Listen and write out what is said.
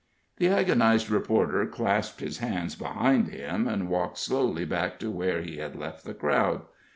The agonized reporter clasped his hands behind him and walked slowly back to where he had left the crowd.